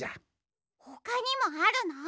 ほかにもあるの？